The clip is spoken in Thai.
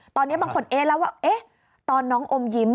ตอนนี้บางคนเอ๊ะแล้วว่าตอนน้องอมยิ้ม